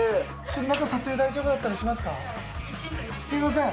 すいません。